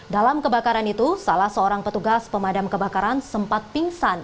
dalam kebakaran itu salah seorang petugas pemadam kebakaran sempat pingsan